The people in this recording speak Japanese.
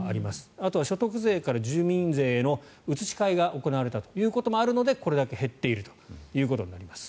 あとは所得税から住民税への移し替えが行われたこともあるのでこれだけ減っていることになります。